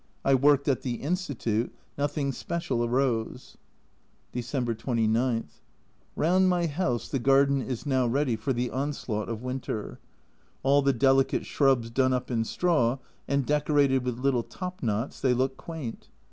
I worked at the Institute ; nothing special arose. December 29. Round my house the garden is now ready for the onslaught of winter. All the delicate shrubs done up in straw, and decorated with little top knots, they look quaint.